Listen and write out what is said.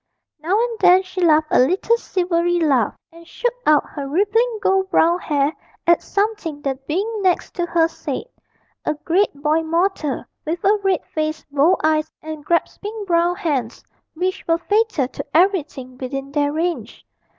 Now and then she laughed a little silvery laugh, and shook out her rippling gold brown hair at something the being next to her said a great boy mortal, with a red face, bold eyes, and grasping brown hands, which were fatal to everything within their range.